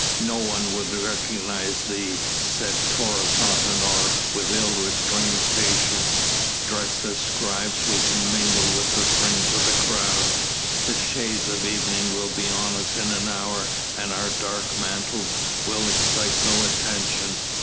"No one would recognise thee," said Taurus Antinor with ill restrained patience, "dressed as scribes we can mingle with the fringe of the crowd. The shades of evening will be on us in an hour and our dark mantles will excite no attention.